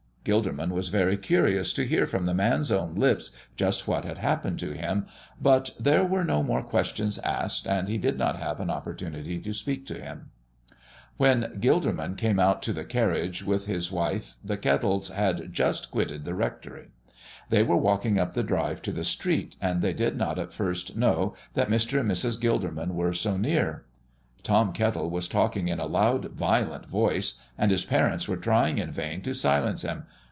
Gilderman was very curious to hear from the man's own lips just what had happened to him, but there were no more questions asked, and he did not have an opportunity to speak to him. When Gilderman came out to the carriage with his wife the Kettles had just quitted the rectory. They were walking up the drive to the street and they did not at first know that Mr. and Mrs. Gilderman were so near. Tom Kettle was talking in a loud, violent voice, and his parents were trying in vain to silence him.